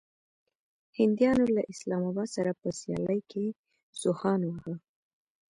هنديانو له اسلام اباد سره په سيالۍ کې سوهان واهه.